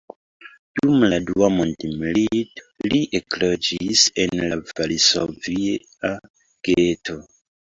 Dum la dua mondmilito li ekloĝis en la varsovia geto.